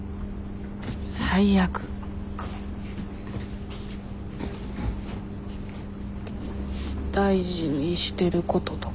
最悪大事にしてることとか？